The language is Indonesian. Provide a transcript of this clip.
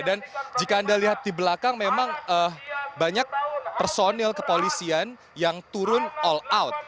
dan jika anda lihat di belakang memang banyak personil kepolisian yang turun all out